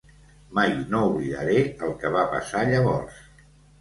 «Mai no oblidaré el que va passar llavors.